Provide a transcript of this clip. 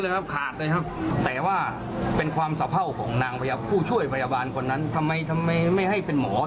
จากเลือดรองรับปลายที่